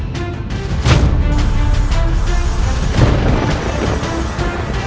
tidak ada masalah